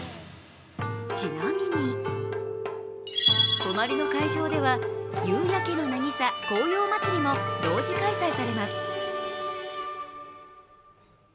ちなみに、隣の会場では夕焼けの渚紅葉まつりも同時開催されます。